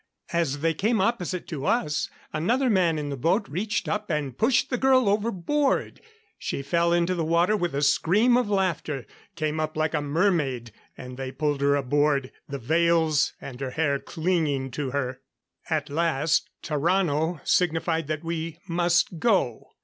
As they came opposite to us another man in the boat reached up and pushed the girl overboard. She fell into the water with a scream of laughter; came up like a mermaid and they pulled her aboard, the veils and her hair clinging to her. At last Tarrano signified that we must go.